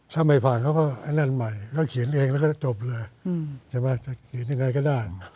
ถ้าไม่ผ่านเขาก็อันนั้นใหม่ก็เขียนเองแล้วก็จบเลยจะเขียนยังไงก็ได้